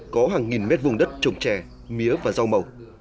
có hàng nghìn mét vùng đất trồng trẻ mía và rau mẩu